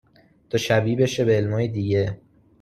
تا شبیه بشه به علمهای دیگه